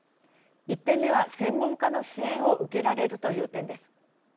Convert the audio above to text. １点目は、専門家の支援を受けられるという点です。